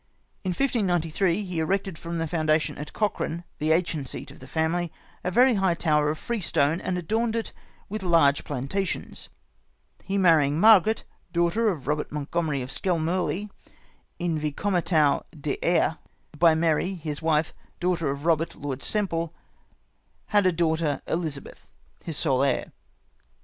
In 1593, he erected from the foundation at Cochran, the ancient seat of his family, a very high tower of free stone, and adorned it with large plan tations ; he marrying Margaret, daughter of Eobert Montgo mery of Skelmiu ly, in Vicecomitatu de Air, by Mary, his wife, daughter of Eobert, Lord Semple, had a daughter Elizabeth, his sole heir.